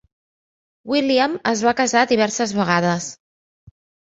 William es va casar diverses vegades.